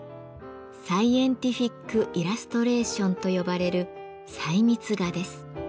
「サイエンティフィックイラストレーション」と呼ばれる細密画です。